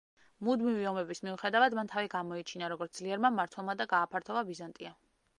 მუდმივი ომების მიუხედავად, მან თავი გამოიჩინა, როგორც ძლიერმა მმართველმა და გააფართოვა ბიზანტია.